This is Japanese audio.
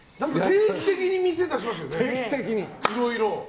定期的に店出しますよねいろいろ。